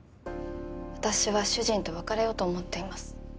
私は主人と別れようと思っています。